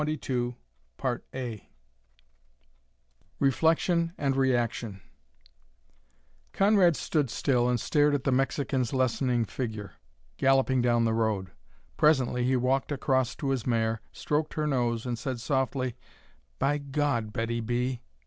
CHAPTER XXII REFLECTION AND REACTION Conrad stood still and stared at the Mexican's lessening figure, galloping down the road. Presently he walked across to his mare, stroked her nose, and said softly, "By God! Betty B.!"